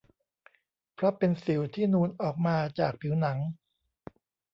เพราะเป็นสิวที่นูนออกมาจากผิวหนัง